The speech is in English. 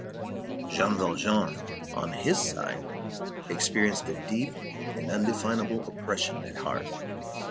Jean Valjean, on his side, experienced a deep and undefinable oppression at heart.